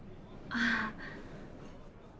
ああ。